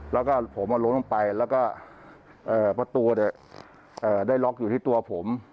แล้วก็ผมล้มลงไปแล้วก็ประตูได้ล็อกอยู่ที่ตัวผม